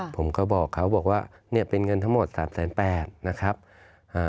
ผมก็บอกเขาเป็นเงินทั้งหมด๓๘เหมือนเกียรติ